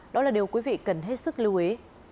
đó là điều quý vị cần hết sức lưu ý